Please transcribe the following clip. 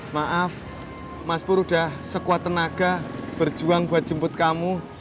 maaf mas pur sudah sekuat tenaga berjuang buat jemput kamu